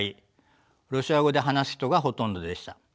ロシア語で話す人がほとんどでした。